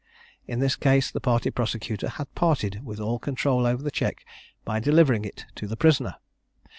In this case the party prosecutor had parted with all control over the check by delivering it to the prisoner.